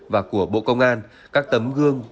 và của bộ công an các tấm gương